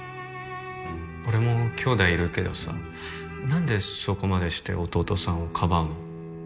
俺も姉弟いるけどさ何でそこまでして弟さんをかばうの？